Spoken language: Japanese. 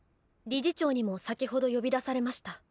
理事長にも先ほど呼び出されました。